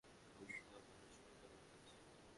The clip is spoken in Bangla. ঘুষখোর মানুষ ভুলটা করে ফেলেছে।